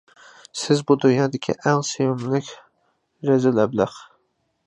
سىز بۇ دۇنيادىكى ئەڭ سۆيۈملۈك رەزىل ئەبلەخ!